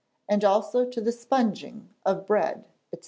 and also to the "sponging" of bread, &c.